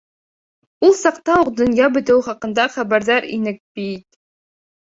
Ул саҡта уҡ донъя бөтөүе хаҡында хәбәрҙар инек би-ит.